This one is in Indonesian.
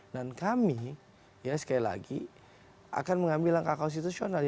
kami ya sekali lagi akan mengambil langkah konstitusional